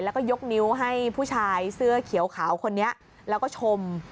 แล้วก็ยกนิ้วให้ผู้ชายเสื้อเขียวขาวคนนี้แล้วก็ชม